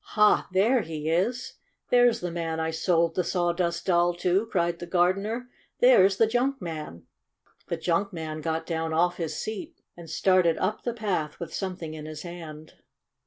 "Ha, there he is! There's the man I sold the Sawdust Doll to!" cried the gardener. '* There 's the j unk man!" The junk man got down off his seat and started up the path with something in his hand.